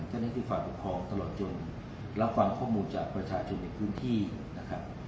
ก็ได้เป็นความเป็นพร้อมตลอดจนและความข้อมูลจากประชาธิบินที่นะครับ